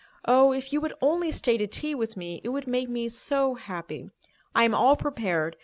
Oh, if you would only stay to tea with me, it would make me so happy. I am all prepared.